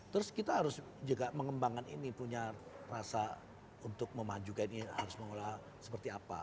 terus kita harus juga mengembangkan ini punya rasa untuk memajukan ini harus mengelola seperti apa